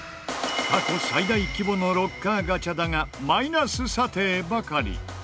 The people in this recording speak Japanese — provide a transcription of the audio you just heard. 過去最大規模のロッカーガチャだがマイナス査定ばかり。